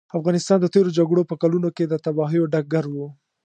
افغانستان د تېرو جګړو په کلونو کې د تباهیو ډګر و.